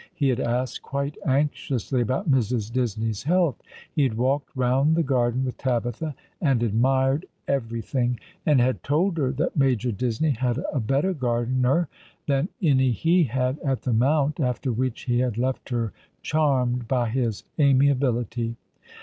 He had asked quite anxiously about Mrs. Disney's health. He had walked round the garden with Tabitha and admired everything, and had told her that Major Disney had a better gardener than any he had at the Mount, after which he had left her charmed by his amiability.